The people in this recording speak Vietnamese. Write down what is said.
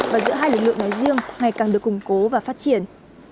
và giữa hai lực lượng nói riêng ngày càng được củng cố và phát triển